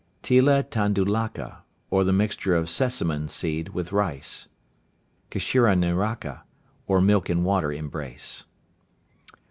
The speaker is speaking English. Tila Tandulaka, or the mixture of sesamum seed with rice. Kshiraniraka, or milk and water embrace.